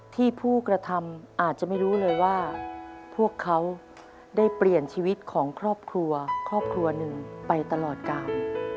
ผู้กระทำอาจจะไม่รู้เลยว่าพวกเขาได้เปลี่ยนชีวิตของครอบครัวครอบครัวหนึ่งไปตลอดกาล